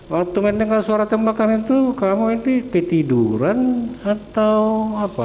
waktu mendengar suara tembakan itu kamu ini ketiduran atau apa